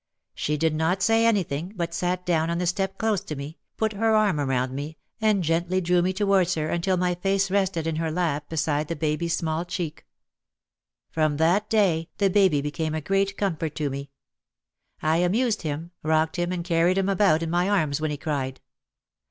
She did not say anything but sat down on the step close to me, put her arm around me and gently drew me towards her until my face rested in her lap beside baby's small cheek. From that day the baby became a great comfort to me. I amused him, rocked him and carried him about in my arms when he cried.